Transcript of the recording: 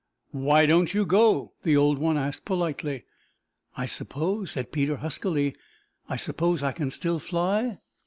"Why don't you go?" the old one asked politely. "I suppose," said Peter huskily, "I suppose I can still fly?"